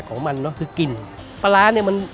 เสด็จของปลาร้าคือเหลืองว่ามันก็เป็นเอกลักษณ์ของมันคือกิน